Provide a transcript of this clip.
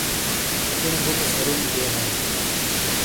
چُونے بُٹے شَرُون گِئیے ہاں۔